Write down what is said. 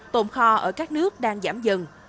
tồn kho ở các nước đang giảm dần